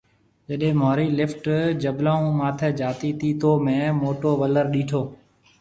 جڏي مونهري لفٽ جبلون هون ماٿي جاتي تي تو مينهه موٽو ولر ڏيٺو